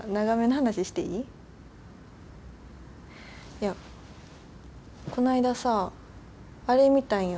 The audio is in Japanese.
いやこの間さあれ見たんよ